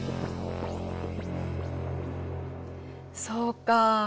そうか。